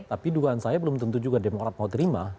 tapi duaan saya belum tentu juga demokrasi mau terima